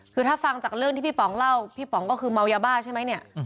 คือถ้าฟังจากเรื่องที่พี่ป๋องเล่าพี่ป๋องก็คือเมายาบ้าใช่ไหมเนี่ย